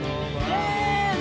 せの！